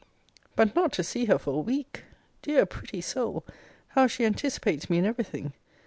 But not to see her for a week! Dear, pretty soul! how she anticipates me in every thing!